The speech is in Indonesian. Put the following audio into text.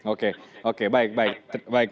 oke oke baik baik